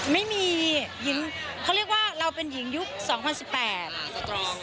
ไม่มีหญิงเขาเรียกว่าเราเป็นหญิงยุคสองพันสิบแปดสตรอง